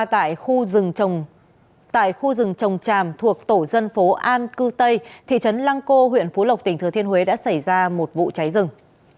tại khu rừng trồng tràm thuộc tổ dân phố an cư tây thị trấn lăng cô huyện phú lộc tỉnh thừa thiên huế đã xảy ra một vụ cháy rừng